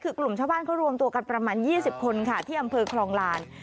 คือกลุ่มชาวบ้านเขารวมตัวกันประมาณ๒๐คนค่ะที่อำเภอคลองลาน